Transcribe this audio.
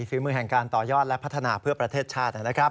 ฝีมือแห่งการต่อยอดและพัฒนาเพื่อประเทศชาตินะครับ